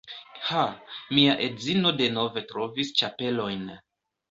Ha, mia edzino denove trovis ĉapelojn